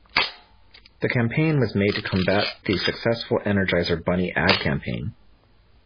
The campaign was made to combat the successful Energizer Bunny ad campaign.